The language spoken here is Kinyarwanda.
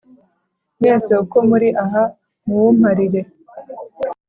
mwese uko muri aha muwumparire :